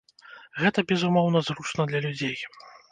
Гэта, безумоўна, зручна для людзей.